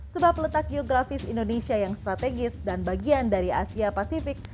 sebab letak geografis indonesia yang strategis dan bagian dari asia pasifik